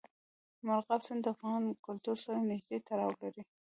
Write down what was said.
مورغاب سیند د افغان کلتور سره نږدې تړاو لري.